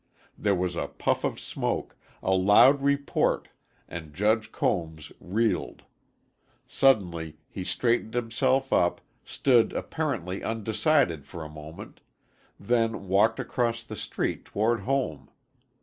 There was a puff of smoke, a loud report and Judge Combs reeled. Suddenly he straightened himself up, stood apparently undecided for a moment, then walked across the street toward home.